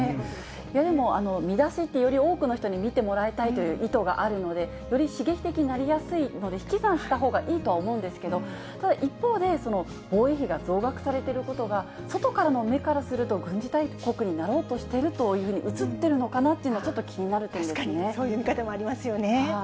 でも、見出しってより多くの人に見てもらいたいという意図があるので、より刺激的になりやすいので、引き算したほうがいいと思うんですけれども、ただ一方で、防衛費が増額されてることが、外からの目からすると、軍事大国になろうとしているというふうに映ってるのかなっていう確かにそういう見方もありますよね。